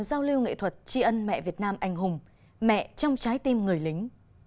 giao lưu nghệ thuật tri ân mẹ việt nam anh hùng mẹ trong trái tim người lính